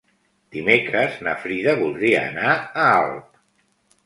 Dimecres na Frida voldria anar a Alp.